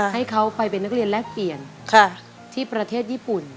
ให้เขาไปเป็นนักเรียนแลกเปลี่ยนที่ประเทศญี่ปุ่น